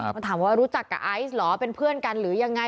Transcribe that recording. มันถามว่ารู้จักกับไอซ์เหรอเป็นเพื่อนกันหรือยังไง